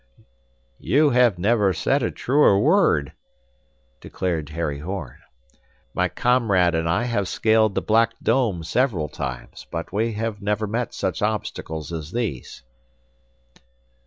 "You never said a truer word," declared Harry Horn. "My comrade and I have scaled the Black Dome several times, but we never met such obstacles as these."